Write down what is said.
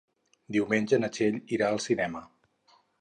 Diumenge na Txell irà al cinema.